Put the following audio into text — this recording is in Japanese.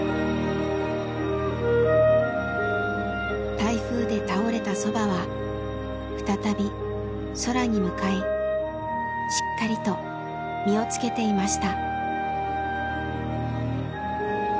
台風で倒れたそばは再び空に向かいしっかりと実を付けていました。